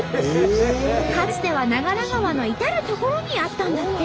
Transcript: かつては長良川の至る所にあったんだって。